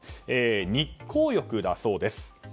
日光浴だそうです。